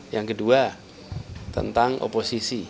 yang kedua tentang oposisi